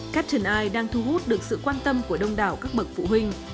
captain eye đang thu hút được sự quan tâm của đông đảo các bậc phụ huynh